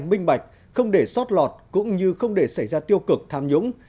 minh bạch không để sót lọt cũng như không để xảy ra tiêu cực tham nhũng